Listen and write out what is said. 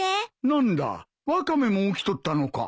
何だワカメも起きとったのか？